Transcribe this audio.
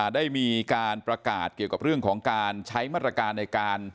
ได้มีการประกาศเกี่ยวกับเรื่องของการใช้มาตรการในการ